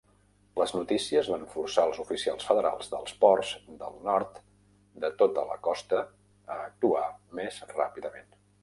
Les notícies van forçar als oficials federals dels ports del nord de tota la costa a actuar més ràpidament.